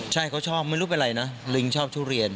ใช่เขาชอบไม่รู้เป็นอะไรนะลิงชอบทุเรียน